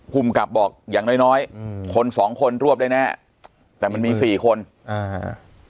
ภูมิกับบอกอย่างน้อยน้อยอืมคนสองคนรวบได้แน่แต่มันมีสี่คนอ่าฮะ